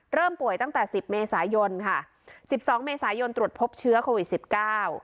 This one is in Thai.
ป่วยตั้งแต่สิบเมษายนค่ะสิบสองเมษายนตรวจพบเชื้อโควิดสิบเก้า